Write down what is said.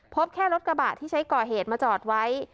พบแค่รถกระบะที่ใช้ก่อเหตุมาจอดไว้